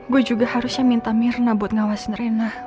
gue juga harusnya minta mirna buat ngawasin rena